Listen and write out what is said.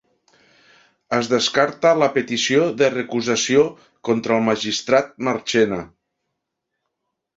Es descarta la petició de recusació contra el magistrat Marchena